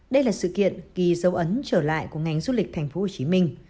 đây là sự kiện ghi dấu ấn trở lại của ngành du lịch tp hcm